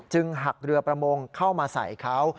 หักเรือประมงเข้ามาใส่เขา